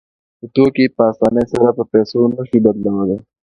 خو توکي په اسانۍ سره په پیسو نشو بدلولی